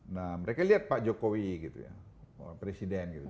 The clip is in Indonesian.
nah mereka lihat pak jokowi gitu ya presiden gitu